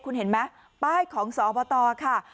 คุณเห็นไหมป้ายของสอบตค่ะ